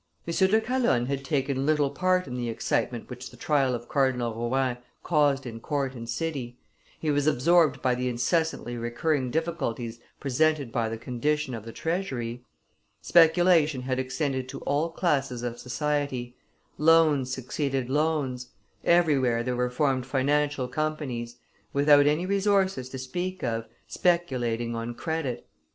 M. de Calonne had taken little part in the excitement which the trial of Cardinal Rohan caused in court and city he was absorbed by the incessantly recurring difficulties presented by the condition of the treasury; speculation had extended to all classes of society; loans succeeded loans, everywhere there were formed financial companies, without any resources to speak of, speculating on credit.